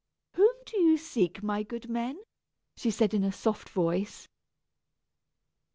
"Whom do you seek, my good men?" she said in a soft voice.